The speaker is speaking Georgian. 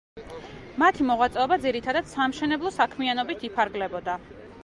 მათი მოღვაწეობა ძირითადად სამშენებლო საქმიანობით იფარგლებოდა.